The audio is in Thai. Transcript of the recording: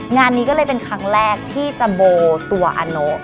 งานนี้ก็เลยเป็นครั้งแรกที่จะโบตัวอาโน